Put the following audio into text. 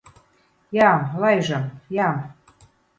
Jā, laižam. Jā.